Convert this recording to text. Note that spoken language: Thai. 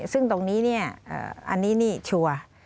ซึ่งตรงนี้เนี่ยอันนี้นี่ชัวร์